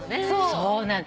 そうなの。